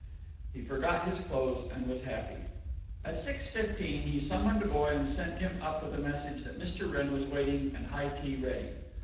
He forgot his clothes, and was happy. At six fifteen he summoned a boy and sent him up with a message that Mr. Wrenn was waiting and high tea ready.